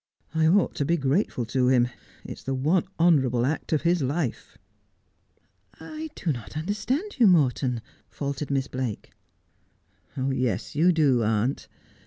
I ought to be grateful to him. It is the one honourable act of his life.' ' I do not understand you, Morton,' faltered Miss Blake. ' Yes, you do, aunt.